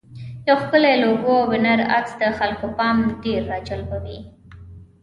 یو ښکلی لوګو او بنر عکس د خلکو پام ډېر راجلبوي.